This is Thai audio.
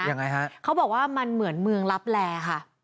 ยังไงฮะเขาบอกว่ามันเหมือนเมืองลับแลค่ะ